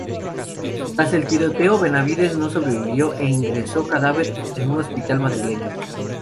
Tras el tiroteo, Benavides no sobrevivió, e ingresó cadáver en un hospital madrileño.